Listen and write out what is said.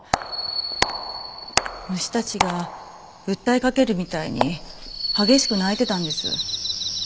虫たちが訴えかけるみたいに激しく鳴いてたんです。